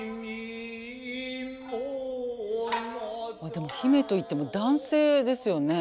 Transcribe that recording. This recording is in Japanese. でも姫といっても男性ですよね。